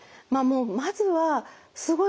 まずはすごい